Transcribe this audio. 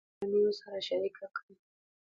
خپله پوهه له نورو سره شریکه کړئ.